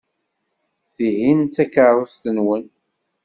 Tihin d takeṛṛust-nwen.